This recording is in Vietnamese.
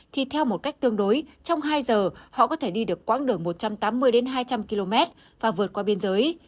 thì theo một cách tương đối trong hai giờ họ có thể đi được quãng đường một trăm tám mươi hai trăm linh km và vượt qua biên giới